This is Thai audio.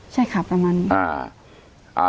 ใช่ค่ะประมาณนี้